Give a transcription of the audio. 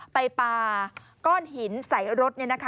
ไปป่าก้อนหินใส่รถเนี่ยนะคะ